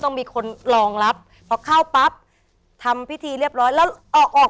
ต้องมีคนรองรับพอเข้าปั๊บทำพิธีเรียบร้อยแล้วออกออก